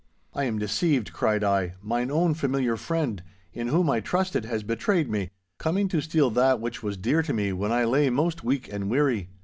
'I am deceived!' cried I, 'mine own familiar friend, in whom I trusted, has betrayed me, coming to steal that which was dear to me when I lay most weak and weary.